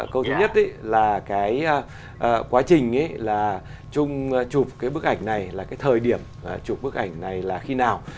câu thứ nhất là cái quá trình ấy là chung chụp cái bức ảnh này là cái thời điểm chụp bức ảnh này là khi nào